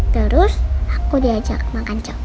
terus aku diajak makan coklat